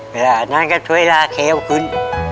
เวลานั้นก็ช่วยลาแค้วขึ้น